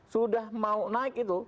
sudah mau naik itu